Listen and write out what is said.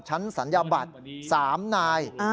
ชั้นสัญญาบัตร๓นาย